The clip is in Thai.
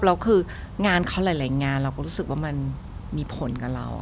แล้วคืองานเขาหลายงานเราก็รู้สึกว่ามันมีผลกับเรา